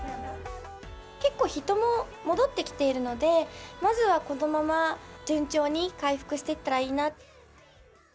結構人も戻ってきているので、まずはこのまま順調に回復していったらいいな。